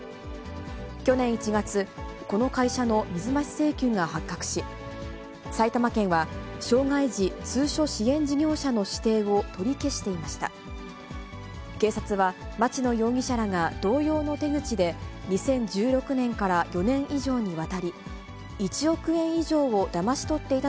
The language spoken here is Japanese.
去年１月、この会社の水増し請求が発覚し、埼玉県は、障害児通所支援事業者の指定を取り消していました。